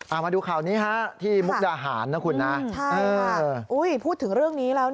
เอามาดูข่าวนี้ฮะที่มุกดาหารนะคุณนะอุ้ยพูดถึงเรื่องนี้แล้ว